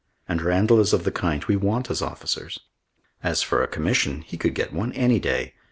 And Randall is of the kind we want as officers. As for a commission, he could get one any day.